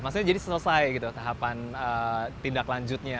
maksudnya jadi selesai tahapan tindaklanjutnya